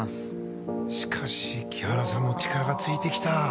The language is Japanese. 木原さんも力がついてきた。